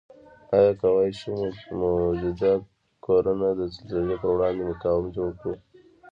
آیا کوای شو موجوده کورنه د زلزلې پروړاندې مقاوم جوړ کړو؟